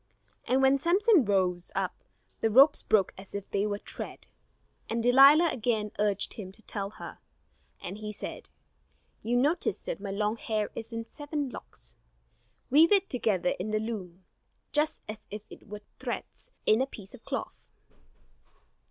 And when Samson rose up, the ropes broke as if they were thread. And Delilah again urged him to tell her; and he said: "You notice that my long hair is in seven locks. Weave it together in the loom, just as if it were the threads in a piece of cloth."